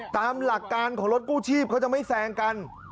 ตามหลักการของรถกู้ชีพเขาจะไม่แซงกัน